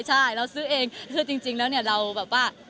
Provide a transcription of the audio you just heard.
ใช่เราซื้อเองคือจริงแล้วเนี่ยเราแบบว่า